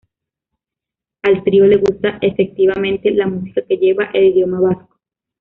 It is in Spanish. Al trío le gusta efectivamente la música que lleva el idioma vasco.